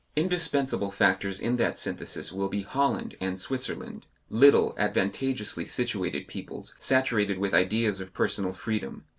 Indispensable factors in that synthesis will be Holland and Switzerland little, advantageously situated peoples, saturated with ideas of personal freedom.